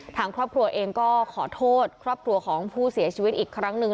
ทางครอบครัวเองก็ขอโทษครอบครัวของผู้เสียชีวิตอีกครั้งหนึ่ง